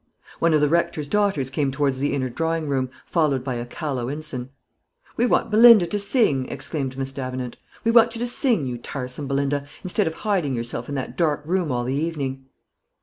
One of the Rector's daughters came towards the inner drawing room, followed by a callow ensign. "We want Belinda to sing," exclaimed Miss Davenant. "We want you to sing, you tiresome Belinda, instead of hiding yourself in that dark room all the evening."